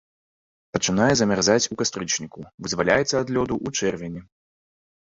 Пачынае замярзаць у кастрычніку, вызваляецца ад лёду ў чэрвені.